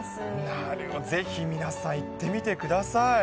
なるほど、ぜひ皆さん行ってみてください。